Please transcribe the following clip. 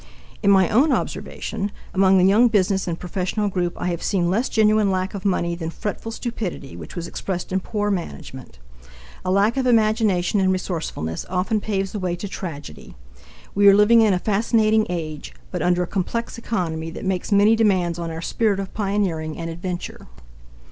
In my own observation, among the young business and professional group I have seen less genuine lack of money than fretful stupidity which was expressed in poor management. A lack of imagination and resourcefulness often paves the way to tragedy. We are living in a fascinating age, but under a complex economy that makes many demands on our spirit of pioneering and adventure.